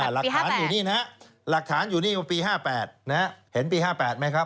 หลักฐานอยู่นี่นะหลักฐานอยู่นี่ปี๕๘นะฮะเห็นปี๕๘ไหมครับ